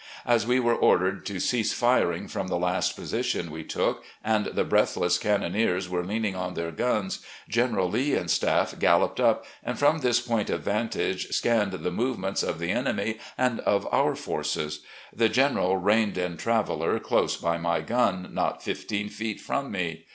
As we were ordered to cease firing from the last position we took, and the breathless cannoneers were leaning on their guns. General Lee and staff galloped up, and from this point of vantage scanned the movements of the enemy and of our forces. The general reined in "Traveller" close by my gun, not fifteen feet from me.